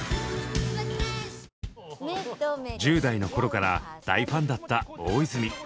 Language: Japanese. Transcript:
１０代の頃から大ファンだった大泉。